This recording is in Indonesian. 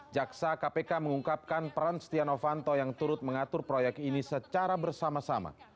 jaksa kpk mengungkapkan peran setia novanto yang turut mengatur proyek ini secara bersama sama